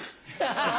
ハハハ。